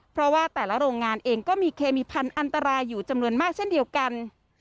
เพราะว่าแต่ละโรงงานเองก็มีเคมีพันธุ์อันตรายอยู่จำนวนมากเช่นเดียวกัน